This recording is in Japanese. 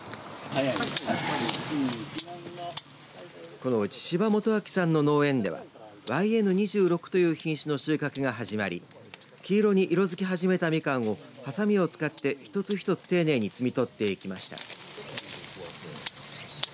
このうち志波元昭さんの農園ではＹＮ−２６という品種の収穫が始まり黄色に色づき始めたみかんをはさみを使って、一つ一つ丁寧に摘み取っていきました。